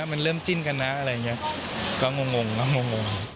มันเริ่มจิ้นกันนะอะไรอย่างนี้ก็งงก็งง